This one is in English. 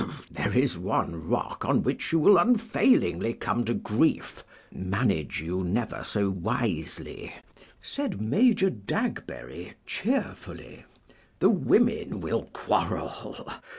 "There is one rock on which you will unfailingly come to grief, manage you never so wisely," said Major Dagberry, cheerfully; "the women will quarrel.